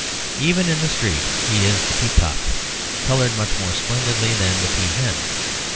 Even in the street he is the peacock, coloured much more splendidly than the peahen.